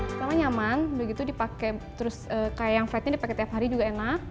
pertama nyaman begitu dipakai terus kayak yang flat nya dipakai tiap hari juga enak